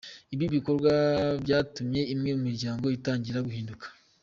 Ibi bikorwa byatumye imwe mu miryango itangira kuhimuka.